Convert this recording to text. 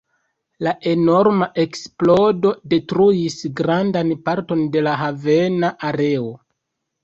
La enorma eksplodo detruis grandan parton de la havena areo.